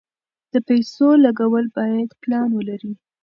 د پیسو لګول باید پلان ولري.